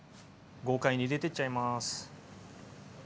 豪快に入れてっちゃいます。